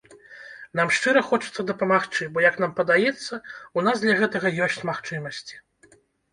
Нам шчыра хочацца дапамагчы, бо як нам падаецца, у нас для гэтага ёсць магчымасці.